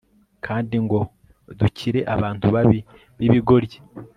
kandi ngo dukire abantu babi b ibigoryi